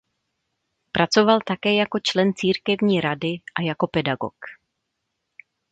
Pracoval také jako člen církevní rady a jako pedagog.